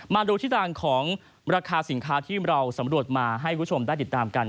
มาดูที่ทางของราคาสินค้าที่เราสำรวจมาให้คุณผู้ชมได้ติดตามกัน